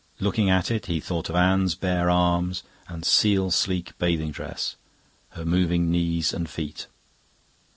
Looking at it, he thought of Anne's bare arms and seal sleek bathing dress, her moving knees and feet.